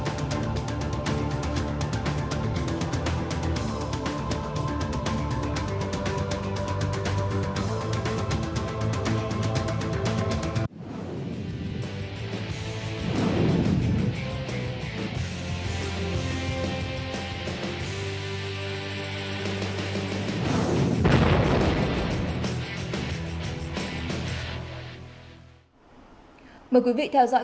cảm ơn quý vị đã theo dõi